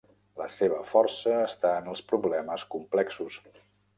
La seva força està en els problemes complexos.